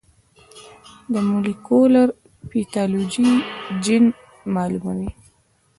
د مولېکولر پیتالوژي جین معلوموي.